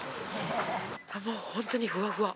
もう本当にふわふわ。